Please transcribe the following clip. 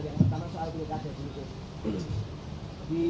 yang pertama soal pilih kajian dulu dut